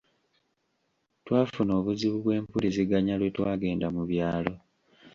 Twafuna obuzibu bw'empuliziganya lwe twagenda mu byalo.